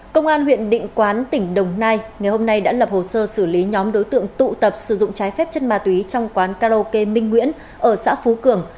công an huyện định quán tỉnh đồng nai ngày hôm nay đã lập hồ sơ xử lý nhóm đối tượng tụ tập sử dụng trái phép chất ma túy trong quán karaoke minh nguyễn ở xã phú cường